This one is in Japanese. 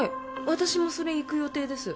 私もそれ行く予定です。